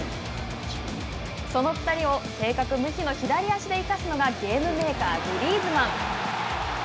その２人を正確無比の左足で生かすのがゲームメーカー、グリーズマン。